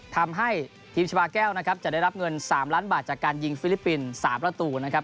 ทำให้ทีมชาวาแก้วนะครับจะได้รับเงิน๓ล้านบาทจากการยิงฟิลิปปินส์๓ประตูนะครับ